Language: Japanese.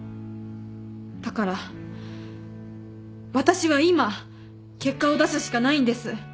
だから私は今結果を出すしかないんです。